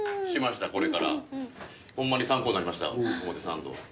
ホンマに参考になりました表参道。